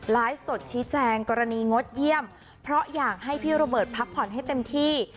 ไลฟ์สดชี้แจงกรณีงดเยี่ยมเพราะอยากให้พี่โรเบิร์ตพักผ่อนให้เต็มที่